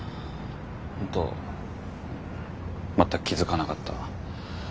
本当全く気付かなかった。